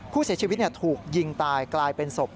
ผู้เสียชีวิตถูกยิงตายกลายเป็นศพ